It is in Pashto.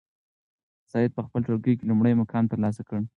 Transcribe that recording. سعید په خپل ټولګي کې لومړی مقام ترلاسه کړ.